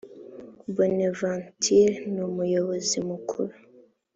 bonaventure numuyobozi mukuru.